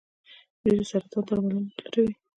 دوی د سرطان درملنه لټوي.